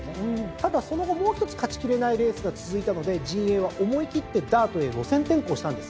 ただその後もうひとつ勝ち切れないレースが続いたので陣営は思い切ってダートへ路線転向したんです。